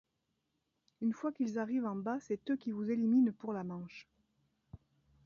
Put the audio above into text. Une fois, qu'ils arrivent en bas, c'est eux qui vous éliminent pour la manche.